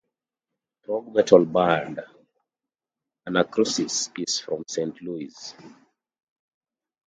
Prog metal band Anacrusis is from Saint Louis.